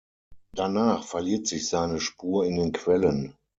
Danach verliert sich seine Spur in den Quellen.